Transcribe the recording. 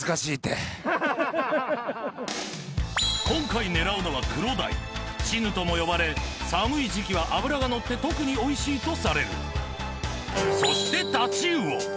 今回狙うのはクロダイチヌとも呼ばれ寒い時期は脂がのって特においしいとされるそしてタチウオ！